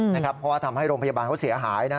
เพราะว่าทำให้โรงพยาบาลเขาเสียหาย